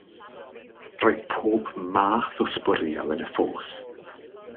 Roedd pob math o sbwriel yn y ffos.